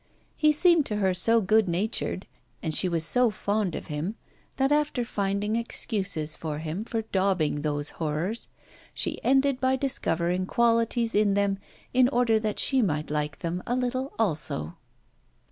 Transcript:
He seemed to her so good natured, and she was so fond of him, that after finding excuses for him for daubing those horrors, she ended by discovering qualities in them in order that she might like them a little also.